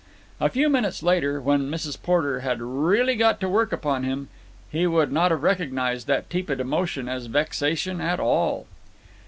A few minutes later, when Mrs. Porter had really got to work upon him, he would not have recognized that tepid emotion as vexation at all.